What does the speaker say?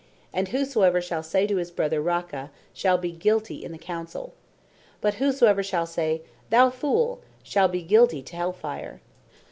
And whosoever shall say to his Brother, RACHA, shall be guilty in the Councel. But whosoever shall say, Thou Foole, shall be guilty to hell fire."